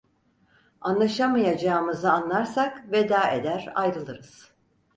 Anlaşamayacağımızı anlarsak veda eder ayrılırız…